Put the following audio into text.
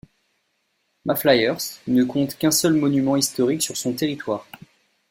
Maffliers ne compte qu'un seul monument historique sur son territoire.